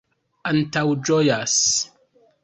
antaŭĝojas